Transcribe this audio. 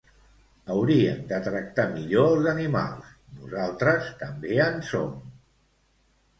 Hauriem de tractar millor els animals, nosaltres també en som.